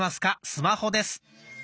スマホ」です。